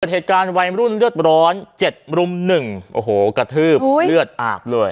เหตุการณ์วัยรุ่นเลือดร้อน๗รุม๑โอ้โหกระทืบเลือดอาบเลย